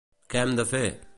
Què hem de fer?